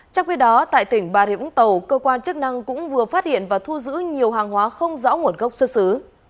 trong khi đó tại tỉnh bà rịa úng tàu cơ quan chức năng cũng vừa phát hiện và thu giữ nhiều hàng hóa không rõ một góc xuất xứ